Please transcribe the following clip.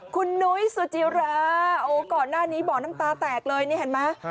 คุณหนุ๊ยสุจิระก่อนหน้านี้บอกตาแตกเลยนี่เห็นไหม